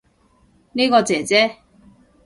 呢個姐姐